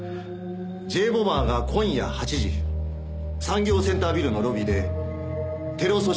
Ｊ・ボマーが今夜８時産業センタービルのロビーでテロ組織のリエゾン